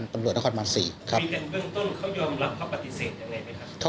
มีแต่เบื้องต้นเขายอมรับเพราะปฏิเสธอย่างไรไหมครับ